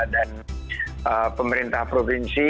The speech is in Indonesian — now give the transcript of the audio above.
dan pemerintah provinsi